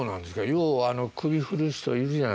よう首振る人いるじゃないですか。